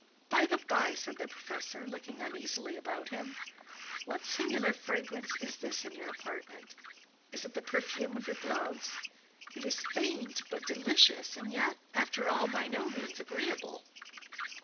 "By the by," said the professor, looking uneasily about him, "what singular fragrance is this in your apartment? Is it the perfume of your gloves? It is faint, but delicious; and yet, after all, by no means agreeable.